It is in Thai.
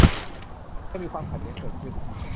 ยังมีความขัดแย้งเกิดขึ้น